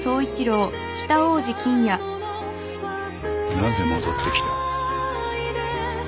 なぜ戻ってきた？